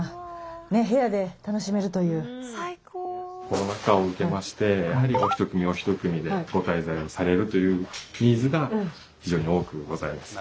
コロナ禍を受けましてやはりお一組お一組でご滞在をされるというニーズが非常に多くございますね。